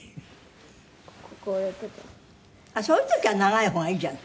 そういう時は長い方がいいじゃない。